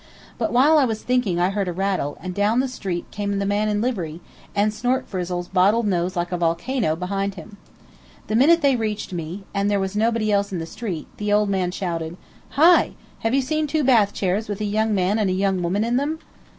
But while I was thinking I heard a rattle, and down the street came the man in livery, and Snortfrizzle's bottle nose like a volcano behind him. The minute they reached me, and there was nobody else in the street, the old man shouted, "Hi! Have you seen two bath chairs with a young man and a young woman in them?"